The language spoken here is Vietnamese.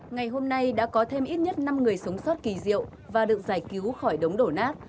ngày hôm nay đã có thêm ít nhất năm người sống sót kỳ diệu và được giải cứu khỏi đống đổ nát